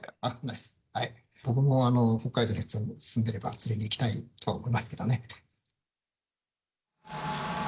僕も北海道に住んでいれば、釣りに行きたいとは思いますけどね。